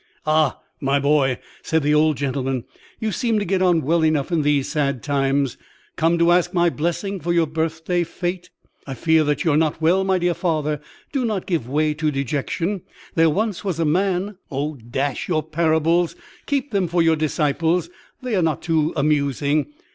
"Ah, my boy," said the old gentleman, "you seem to get on well enough in these sad times: come to ask my blessing for your birthday fête?" "I fear that you are not well, my dear father; do not give way to dejection, there was once a man— "O, dash your parables! keep them for your disciples; they are not too amusing.